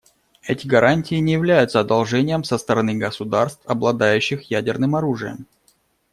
Эти гарантии не являются одолжением со стороны государств, обладающих ядерным оружием.